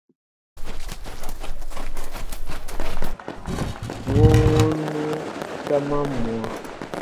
Wɔnwɔnnu ta man mwa.